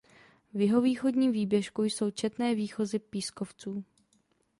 V jihovýchodním výběžku jsou četné výchozy pískovců.